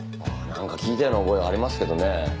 なんか聞いたような覚えはありますけどね。